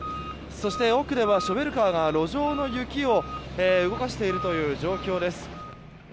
そして、奥ではショベルカーが路上の雪を動かしている状況です。